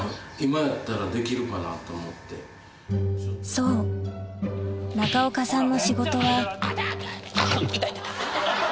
そう中岡さんの仕事はあ痛っ！